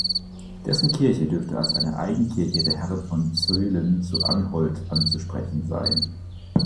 Dessen Kirche dürfte als eine Eigenkirche der Herren von Zuylen zu Anholt anzusprechen sein.